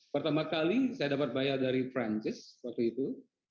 pertama kali saya dapat bayar dari perancis waktu itu